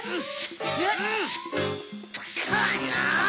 この！